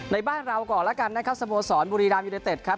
ในบ้านเราก่อนแล้วกันนะครับสโมสรบุรีรามยูเนเต็ดครับ